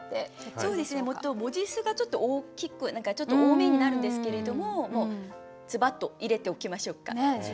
そうですね文字数がちょっと多めになるんですけれどもズバッと入れておきましょうか。